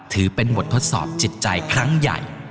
ถือเป็นบททดสอบจิตใจครั้งใหญ่